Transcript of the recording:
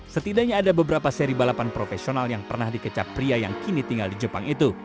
setidaknya ada beberapa seri balapan profesional yang pernah dikecap pria yang kini tinggal di jepang itu